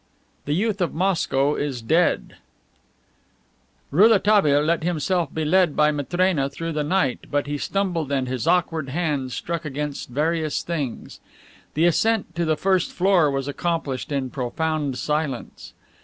"THE YOUTH OF MOSCOW IS DEAD" Rouletabille let himself be led by Matrena through the night, but he stumbled and his awkward hands struck against various things. The ascent to the first floor was accomplished in profound silence.